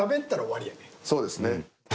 そうですね。